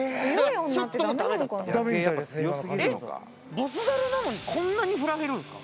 ボスザルなのにこんなにフラれるんですか？